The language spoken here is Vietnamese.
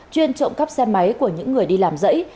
chuyên trộm cắp xe máy của những người đi làm dãy